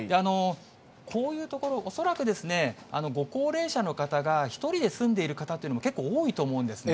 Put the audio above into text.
こういう所、恐らくご高齢者の方が１人で住んでる方っていうのも結構多いと思うんですね。